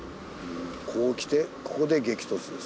こう来てここで激突ですね。